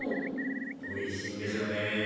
おいしいんでしょうね